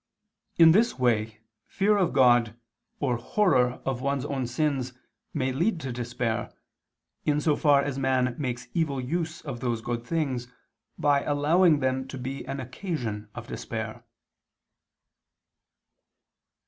In this way fear of God or horror of one's own sins may lead to despair, in so far as man makes evil use of those good things, by allowing them to be an occasion of despair.